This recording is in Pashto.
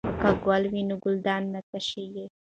که ګل وي نو ګلدان نه تشیږي.